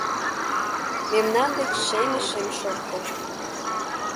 Мемнан деч шеме шем шоптыр